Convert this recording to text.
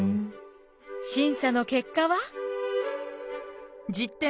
審査の結果は。